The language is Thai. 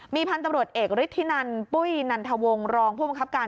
มีพันธุ์ตำรวจเอกฤทธินันปุ้ยนันทวงรองผู้บังคับการ